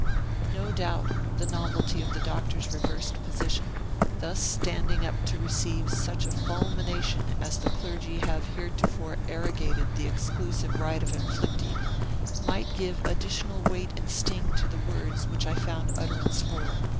No doubt, the novelty of the Doctor's reversed position, thus standing up to receive such a fulmination as the clergy have heretofore arrogated the exclusive right of inflicting, might give additional weight and sting to the words which I found utterance for.